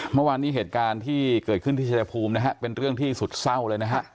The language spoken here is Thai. เมื่อวานนี้เหตุการณ์ที่เกิดขึ้นที่ชายภูมินะฮะเป็นเรื่องที่สุดเศร้าเลยนะฮะ